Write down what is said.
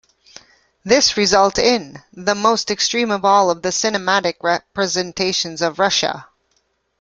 This resulted in "the most extreme of all of the cinematic representations of Russia".